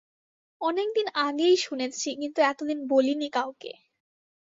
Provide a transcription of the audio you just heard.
অনেকদিন আগেই শুনেছি, কিন্তু এতদিন বলিনি কাউকে।